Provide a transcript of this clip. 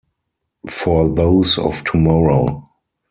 For those of tomorrow.